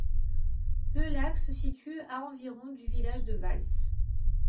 Le lac se situe à environ du village de Vals.